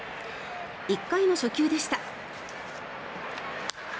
１回の初球でした。